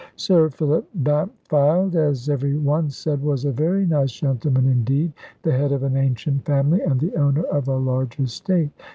Sir Philip Bampfylde, as every one said, was a very nice gentleman indeed, the head of an ancient family, and the owner of a large estate.